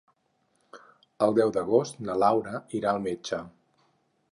El deu d'agost na Laura irà al metge.